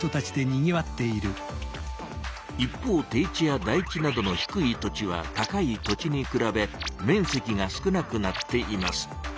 一方低地や台地などの低い土地は高い土地にくらべ面積が少なくなっています。